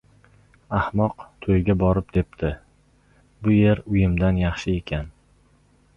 • Ahmoq to‘yga borib debdi: “Bu yer uyimdan yaxshi ekan”.